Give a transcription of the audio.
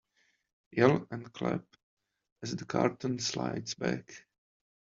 Yell and clap as the curtain slides back.